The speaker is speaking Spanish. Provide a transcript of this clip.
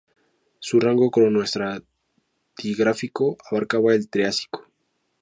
Su rango cronoestratigráfico abarcaba el Triásico.